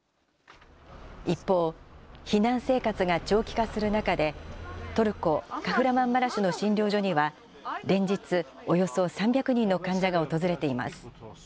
一方、避難生活が長期化する中で、トルコ・カフラマンマラシュの診療所には、連日、およそ３００人の患者が訪れています。